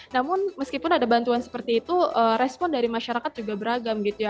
namun meskipun ada bantuan seperti itu respon dari masyarakat juga beragam gitu ya